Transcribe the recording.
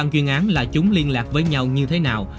chuyên án là chúng liên lạc với nhau như thế nào